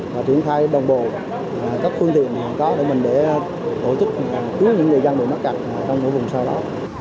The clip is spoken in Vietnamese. và chuyển thai đồng bồ các phương tiện có để mình để tổ chức cứu những người dân bị mất cạch trong những vùng sau đó